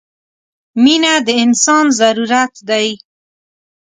• مینه د انسان ضرورت دی.